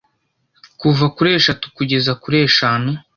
kuva kuri eshatu kugeza kuri eshanu